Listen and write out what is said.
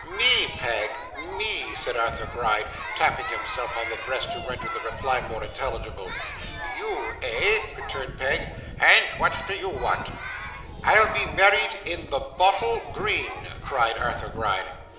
'Me, Peg, me,' said Arthur Gride, tapping himself on the breast to render the reply more intelligible. 'You, eh?' returned Peg. 'And what do YOU want?' 'I'll be married in the bottle green,' cried Arthur Gride.